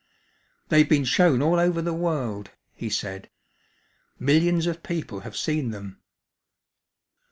"They've been shown all over the world," he said. "Millions of people have seen them."